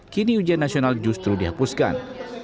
kini ujian nasional justru dihapuskan